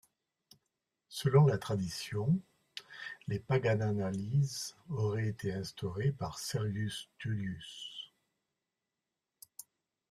Selon la tradition, les Paganalies auraient été instaurées par Servius Tullius.